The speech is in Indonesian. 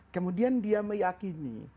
kemudian dia meyakini